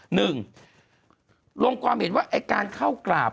หนึ่งลงความเห็นว่าไอ้การเข้ากราบ